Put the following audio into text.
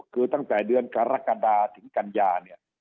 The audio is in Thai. คือตั้งแต่เดือนกรกฎาถึงกันยาเนี่ย